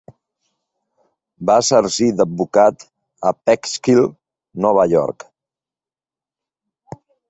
Va exercir d'advocat a Peekskill, Nova York.